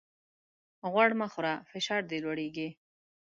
غوړ مه خوره ! فشار دي لوړېږي.